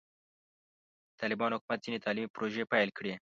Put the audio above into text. د طالبانو حکومت ځینې تعلیمي پروژې پیل کړي.